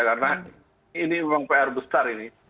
karena ini memang pr besar ini